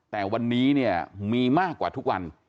แต่วันนี้มีมากกว่าทุกวัน